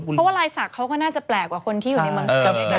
เพราะว่าลายศักดิ์เขาก็น่าจะแปลกกว่าคนที่อยู่ในเมืองไทย